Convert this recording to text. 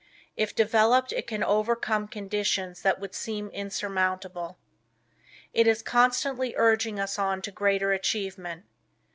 If developed, it can overcome conditions that would seem insurmountable. It is constantly urging us on to greater achievement.